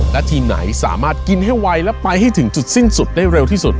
และทีมไหนสามารถกินให้ไวและไปให้ถึงจุดสิ้นสุดได้เร็วที่สุด